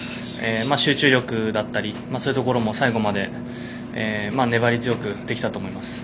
集中力だったりそういうところも最後まで粘り強くできたと思います。